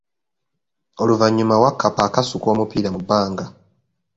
Oluvanyuma Wakkapa akasuka omupiira mu bbanga.